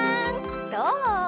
どう？